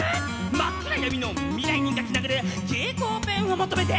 「真っ暗闇の未来に描き殴る蛍光ペンを求めて」